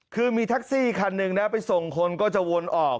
คือมีแท็กซี่คันหนึ่งนะไปส่งคนก็จะวนออก